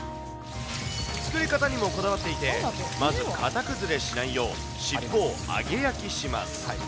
作り方にもこだわっていて、まず、型崩れしないよう、尻尾を揚げ焼きします。